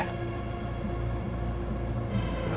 aku muntah balik